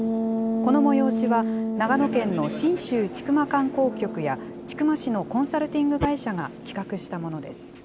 この催しは、長野県の信州千曲観光局や、千曲市のコンサルティング会社が企画したものです。